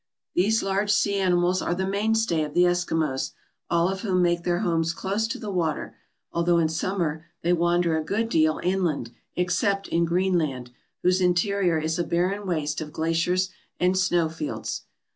These large sea animals are the mainstay of the Eskimos, all of whom make their homes close to the water, although in summer they wander a good deal inland, except in Greenland, whose interior is a barren waste of glaciers and snow fields.